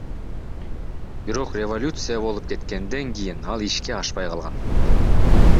Бирок революция болуп кеткенден кийин ал ишке ашпай калган.